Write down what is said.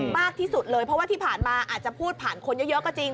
มากที่สุดเลยเพราะว่าที่ผ่านมาอาจจะพูดผ่านคนเยอะก็จริง